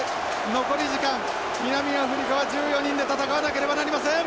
残り時間南アフリカは１４人で戦わなければなりません。